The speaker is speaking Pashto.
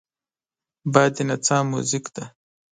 باد د نڅا موزیک دی